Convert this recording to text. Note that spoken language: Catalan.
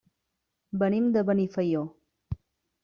Venim de Benifaió.